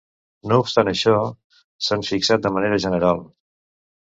No obstant això, s'han fixat de manera general.